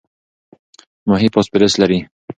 ماهي فاسفورس لري.